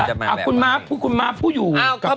อ่ากคุณม้าผู้คุณมาผู้อยู่กับเข้ามาชาว